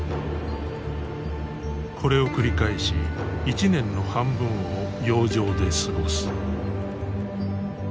これを繰り返し１年の半分を洋上で過ごす。